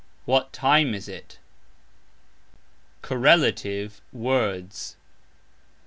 What time is it? CORRELATIVE WORDS.